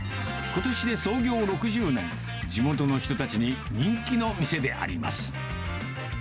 ことしで創業６０年、地元の人たちに人気の店であります。